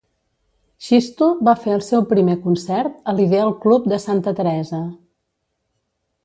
Xisto va fer el seu primer concert a l'Ideal Club de Santa Teresa.